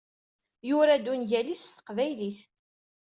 Yura-d ungal-is s teqbaylit.